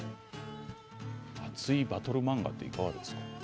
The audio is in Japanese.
熱いバトル漫画いかがですか？